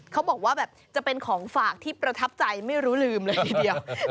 เขาบอกว่าจะเป็นของฝากที่ประทับใจไม่ลืมเลย